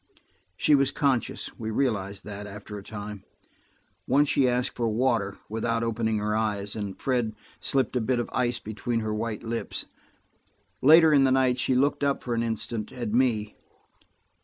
She was conscious; we realized that after a time. Once she asked for water, without opening her eyes, and Fred slipped a bit of ice between her white lips. Later in the night she looked up for an instant, at me.